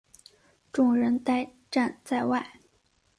众人呆站在外